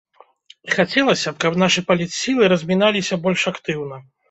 Хацелася б, каб нашы палітсілы разміналіся больш актыўна.